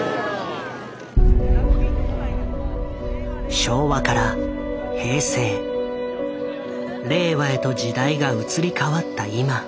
昭和から平成令和へと時代が移り変わった今。